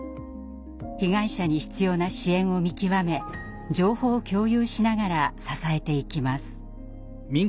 被害者に必要な支援を見極め情報を共有しながら支えていきます。